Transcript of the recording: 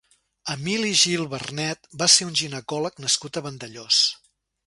Emili Gil Vernet va ser un ginecòleg nascut a Vandellòs.